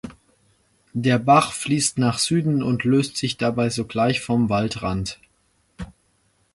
Der Bach fließt nach Süden und löst sich dabei sogleich vom Waldrand.